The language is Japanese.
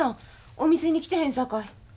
お店に来てへんさかい。